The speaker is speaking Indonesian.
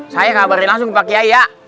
saya kabarin langsung ke pak kiai ya